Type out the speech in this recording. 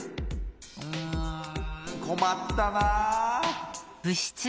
うんこまったなぁ。